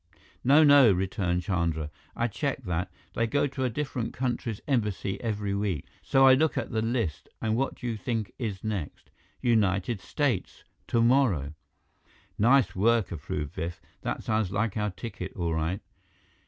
"No, no," returned Chandra. "I checked that. They go to a different country's embassy every week. So I look at the list, and what do you think is next? United States! Tomorrow!" "Nice work," approved Biff. "That sounds like our ticket, all right."